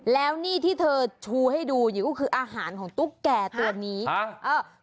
แล้วนี่ที่เธอชูให้ดูอยู่ก็คืออาหารของตุ๊กแก่ตัวนี้อ่าเออ